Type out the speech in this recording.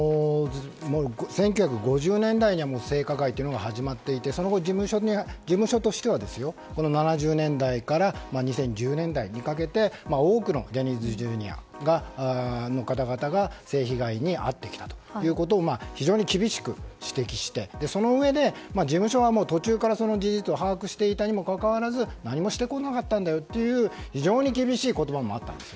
１９５０年代にはもう性加害というのが始まっていてその後、事務所としては７０年代から２０１０年代にかけて多くのジャニーズＪｒ．の方々が性被害に遭ってきたということを非常に厳しく指摘してそのうえで、事務所側も途中からその事実を把握していたにもかかわらず何もしてこなかったんだよという非常に厳しい言葉もあったんです。